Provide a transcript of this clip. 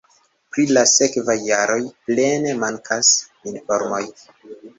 Pri la sekvaj jaroj plene mankas informoj.